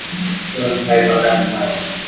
เมืองไทยประกันภัย